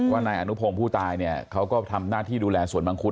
ว่านายอนุพงษ์ผู้ตายเขาก็ทำหน้าที่ดูแลส่วนมังคุท